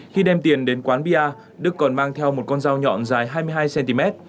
khi đem tiền đến quán bia đức còn mang theo một con dao nhọn dài hai mươi hai cm